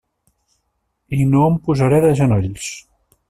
I no em posaré de genolls.